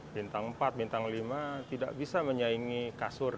bintang empat bintang lima tidak bisa menyaingi kasur